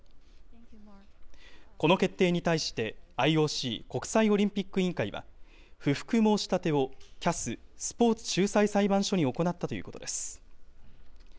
この決定に対して、ＩＯＣ・国際オリンピック委員会は、不服申し立てをＣＡＳ・スポーツ仲裁裁判所に行ったということです。